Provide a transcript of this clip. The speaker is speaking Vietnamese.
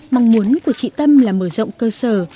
mong muốn của chị tâm là mở rộng cơ sở